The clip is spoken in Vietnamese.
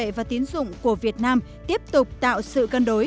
các tổ chức tiền tệ và tín dụng của việt nam tiếp tục tạo sự cân đối